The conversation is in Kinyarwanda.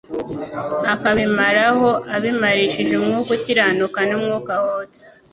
«akabimaraho, abimarishije umwuka ukiranuka n'umwuka wotsa».